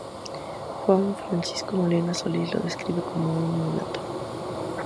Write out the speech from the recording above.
Juan Francisco Molina Solís lo describe como un mulato.